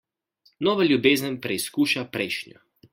Nova ljubezen preizkuša prejšnjo.